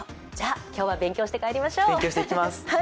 じゃあ今日は勉強して帰りましょう。